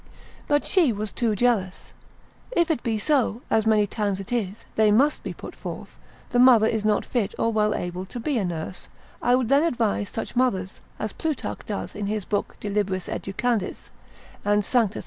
But she was too jealous. If it be so, as many times it is, they must be put forth, the mother be not fit or well able to be a nurse, I would then advise such mothers, as Plutarch doth in his book de liberis educandis and S.